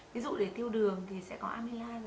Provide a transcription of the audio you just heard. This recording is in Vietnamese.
ví dụ để tiêu đường thì sẽ có amila